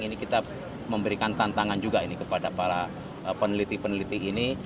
ini kita memberikan tantangan juga ini kepada para peneliti peneliti ini